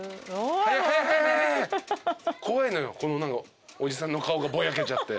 この何かおじさんの顔がぼやけちゃって。